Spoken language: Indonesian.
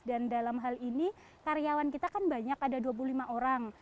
dan dalam hal ini karyawan kita kan banyak ada dua puluh lima orang